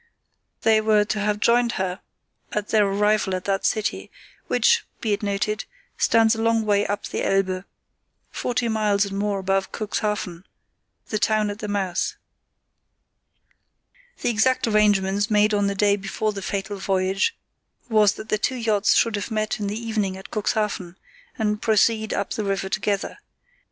They were to have joined her on their arrival at that city, which, be it noted, stands a long way up the Elbe, forty miles and more above Cuxhaven, the town at the mouth. The exact arrangement made on the day before the fatal voyage was that the two yachts should meet in the evening at Cuxhaven and proceed up the river together.